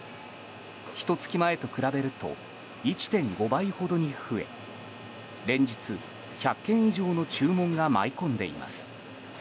ひと月前と比べると１．５倍ほどに増え連日、１００件以上の注文が舞い込んでいます。